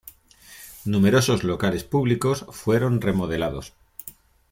Numerosos locales públicos fueron remodelados.